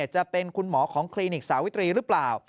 จะเป็นคุณหมอของคลินิกสาวิตรีหรือเปล่า